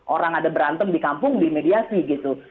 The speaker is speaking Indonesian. orang ada berantem di kampung dimediasi gitu